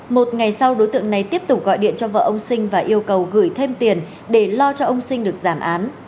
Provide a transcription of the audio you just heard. một ngày sau đối tượng này tiếp tục gọi điện cho vợ ông sinh và yêu cầu gửi thêm tiền để lo cho ông sinh được giảm án